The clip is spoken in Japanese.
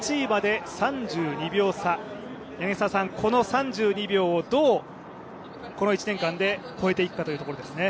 入賞の８位まで３２秒差、この３２秒をどう、この一年間で越えていくかというところですね。